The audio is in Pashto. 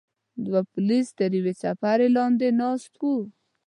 دوه پولیس تر یوې څپرې لاندې ناست وو.